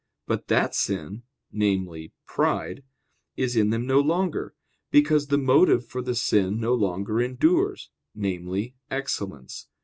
But that sin, namely, pride, is in them no longer; because the motive for the sin no longer endures, namely, excellence.